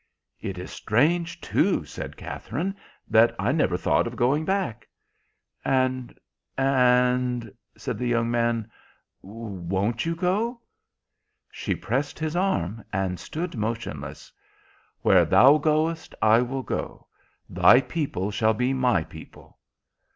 "It is strange, too," said Katherine, "that I never thought of going back." "And—and," said the young man, "won't you go?" She pressed his arm, and stood motionless. "_Where thou goest, I will go. Thy people shall be my people.